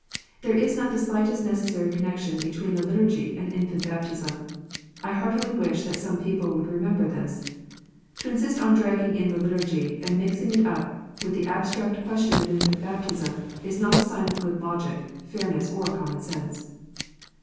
There is not the slightest necessary connection between the Liturgy and infant baptism. I heartily wish that some people would remember this. To insist on dragging in the Liturgy, and mixing it up with the abstract question of infant baptism, is not a sign of good logic, fairness, or common sense.